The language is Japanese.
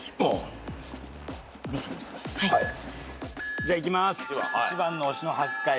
じゃあいきます。